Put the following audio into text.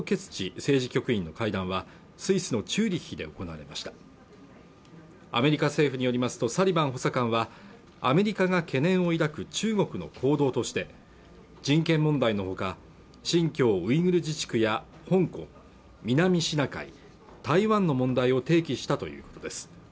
政治局員の会談はスイスのチューリヒで行われましたアメリカ政府によりますとサリバン補佐官はアメリカが懸念を抱く中国の行動として人権問題のほか新疆ウイグル自治区や香港南シナ海台湾の問題を提起したということです